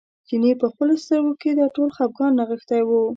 چیني په خپلو سترګو کې دا ټول خپګان نغښتی و.